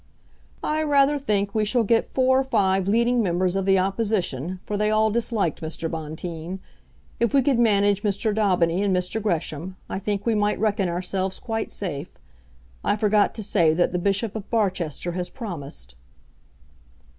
"I rather think we shall get four or five leading members of the Opposition, for they all disliked Mr. Bonteen. If we could manage Mr. Daubeny and Mr. Gresham, I think we might reckon ourselves quite safe. I forgot to say that the Bishop of Barchester has promised."